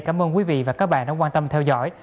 cảm ơn quý vị và các bạn đã quan tâm theo dõi